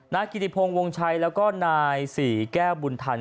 นายกิริพงศ์วงชัยแล้วก็นายศรีแก้บุญทัล